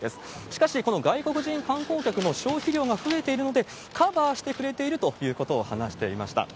しかし、この外国人観光客の消費量が増えているので、カバーしてくれているということを話していました。